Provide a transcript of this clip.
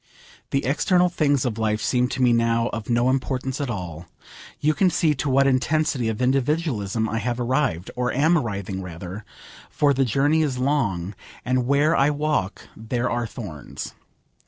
The external things of life seem to me now of no importance at all. You can see to what intensity of individualism I have arrived or am arriving rather, for the journey is long, and 'where I walk there are thorns.'